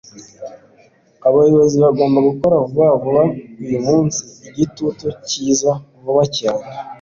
abayobozi bagomba gukora vuba vuba uyu munsi. igitutu kiza vuba cyane